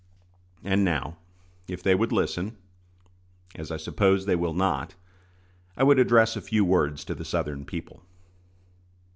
And now, if they would listen, as I suppose they will not, I would address a few words to the Southern people.